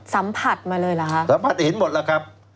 สัมผัสมาเลยเหรอฮะสัมผัสเห็นหมดแล้วครับ